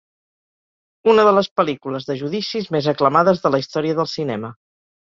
Una de les pel·lícules de judicis més aclamades de la història del cinema.